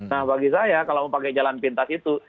nah bagi saya kalau mau pakai jalan pintas itu